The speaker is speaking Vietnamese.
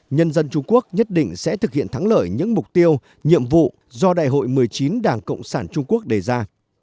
nhân dân trung quốc nhất định sẽ thực hiện thắng lợi những mục tiêu nhiệm vụ do đại hội một mươi chín đảng cộng sản trung quốc đề ra